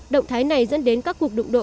động thái này dẫn đến các cuộc đụng độ